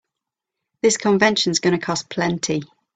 This convention's gonna cost plenty.